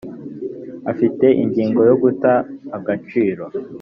afite ingingo yo guta agaciro .